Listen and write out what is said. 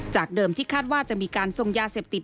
เดิมที่คาดว่าจะมีการทรงยาเสพติด